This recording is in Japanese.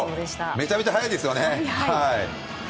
めちゃめちゃ速いですよね！